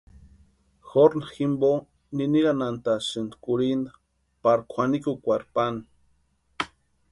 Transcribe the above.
Jorna jimpo niniranhantasïni kurhinta pari kwʼanikukwarhu pani.